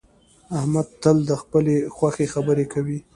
احمد تل د خپلې خوښې خبرې کوي